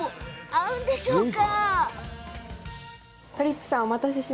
合うんでしょうか？